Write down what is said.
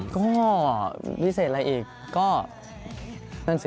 ก็วิเศษอะไรอีกก็นั่นสิ